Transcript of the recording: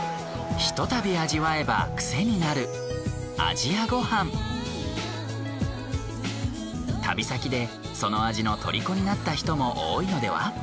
一たび味わえば癖になる旅先でその味の虜になった人も多いのでは。